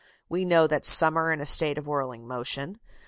We know that some are in a state of whirling motion.